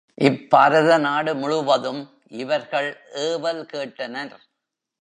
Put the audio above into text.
இப்பாரத நாடு முழுவதும் இவர்கள் ஏவல் கேட்டனர்.